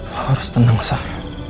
lo harus tenang shay